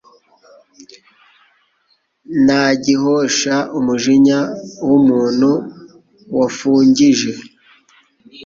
Nta gihosha umujinya w’umuntu wafungije